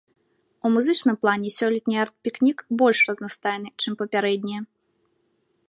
У музычным плане сёлетні арт-пікнік больш разнастайны, чым папярэднія.